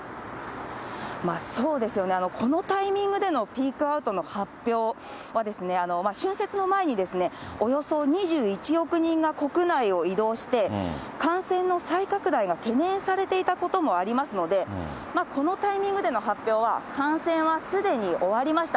このタイミングでのピークアウトの発表は、春節の前におよそ２１億人が国内を移動して、感染の再拡大が懸念されていたこともありますので、このタイミングでの発表は、感染はすでに終わりました。